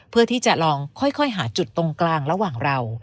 เพื่อที่จะลองค่อยหาจุดตรงกลางระหว่างเรา